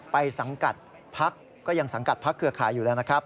สังกัดพักก็ยังสังกัดพักเครือข่ายอยู่แล้วนะครับ